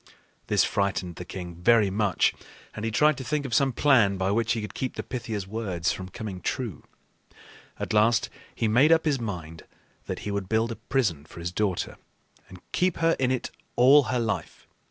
This frightened the king very much, and he tried to think of some plan by which he could keep the Pythia's words from coming true. At last he made up his mind that he would build a prison for his daughter and keep her in it all her life.